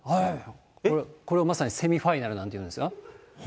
これをまさにセミファイナルなんていうんですよ。